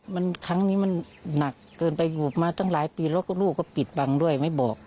มันครั้งนี้มันหนักเกินไปอยู่มาตั้งหลายปีแล้วก็ลูกก็ปิดบังด้วยไม่บอก